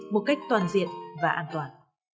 một cách toàn diện và an toàn